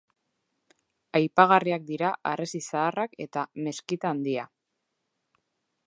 Aipagarriak dira harresi zaharrak eta meskita handia.